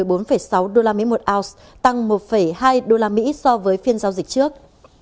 một ba trăm một mươi bốn sáu usd một ounce tăng một hai usd so với phiên giao dịch trước